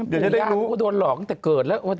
นะครับแต่จริงว่าโดนหลอกตั้งแต่เกิดแล้ว